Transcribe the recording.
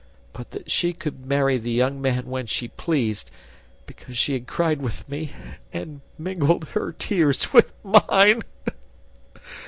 but that she could marry the young man when she pleased, because she had cried with me and mingled her tears with mine!